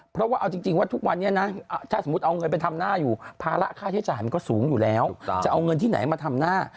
เพราะว่าเอาจริงว่าทุกวันนี้นะถ้าสมมุติเอาเงินไปทำหน้าอยู่ภาระค่าใช้จ่ายมันก็สูงอยู่แล้วจะเอาเงินที่ไหนมาทำหน้า